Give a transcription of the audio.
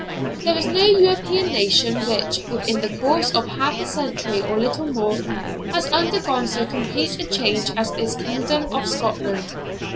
There is no European nation which, within the course of half a century or little more, has undergone so complete a change as this kingdom of Scotland.